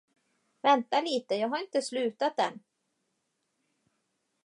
Vänta lite jag har inte slutat än!